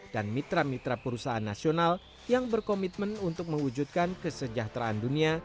dan mitra mitra perusahaan nasional yang berkomitmen untuk mewujudkan kesejahteraan dunia